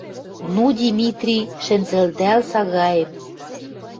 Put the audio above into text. «Ну, Димитрий, шӹнзӹлдӓл сагаэм.